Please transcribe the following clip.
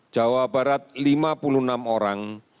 jawa barat lima puluh enam orang